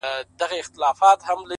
• بل ته پاته سي که زر وي که دولت وي ,